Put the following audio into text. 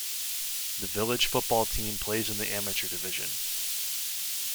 The village football team plays in the amateur division.